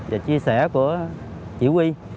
và chia sẻ của chỉ huy